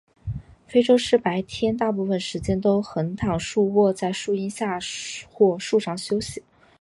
非洲狮白天大部分时间都横躺竖卧在树荫下或树上休息。